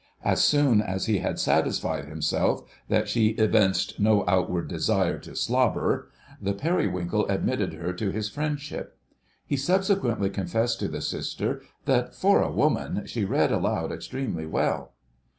As soon as he had satisfied himself that she evinced no outward desire to "slobber," the Periwinkle admitted her to his friendship. He subsequently confessed to the Sister that, for a woman, she read aloud extremely well.